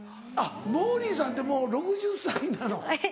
モーリーさんってもう６０歳なの。